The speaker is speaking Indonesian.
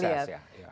biasanya sukses ya